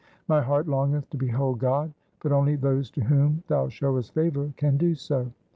My heart longeth to behold God, but only those to whom thou showest favour can do so.